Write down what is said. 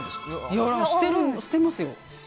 捨てますよ。